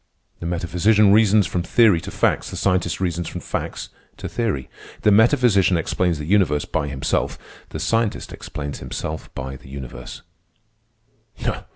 The metaphysician reasons from theory to facts, the scientist reasons from facts to theory. The metaphysician explains the universe by himself, the scientist explains himself by the universe."